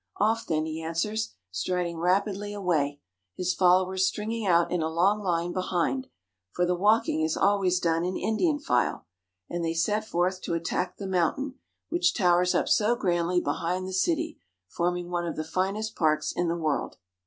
"Off, then!" he answers, striding rapidly away, his followers stringing out in a long line behind, for the walking is always done in Indian file, and they set forth to attack the mountain, which towers up so grandly behind the city, forming one of the finest parks in the world.